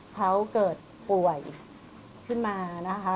เขาเกิดป่วยขึ้นมานะคะ